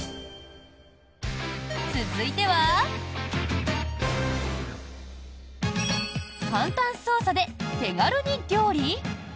続いては簡単操作で手軽に料理？